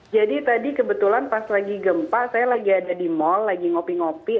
jadi tadi kebetulan pas lagi gempa saya lagi ada di mal lagi ngopi ngopi